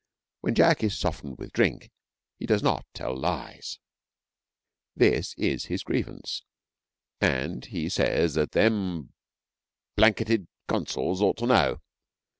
Now when Jack is softened with drink he does not tell lies. This is his grievance, and he says that them blanketed consuls ought to know.